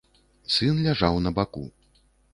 Сын ляжаў на баку.